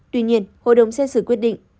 tuy nhiên hội đồng xét xử quyết định